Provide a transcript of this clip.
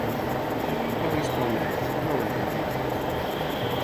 Va respondre: «No ho entendrien»